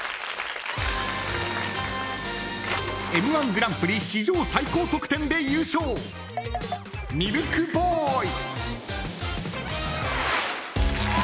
Ｍ‐１グランプリ史上最高得点で優勝ミルクボーイ。